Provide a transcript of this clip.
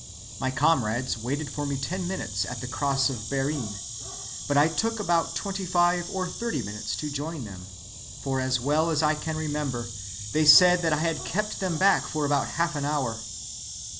My comrades waited for me ten minutes at the cross of Barine, but I took about twenty‐five or thirty minutes to join them, for as well as I can remember, they said that I had kept them back for about half an hour.